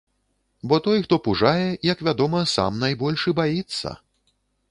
Бо той хто пужае, як вядома, сам найбольш і баіцца.